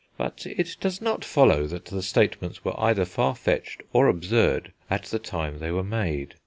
But it does not follow that the statements were either far fetched or absurd at the time they were made.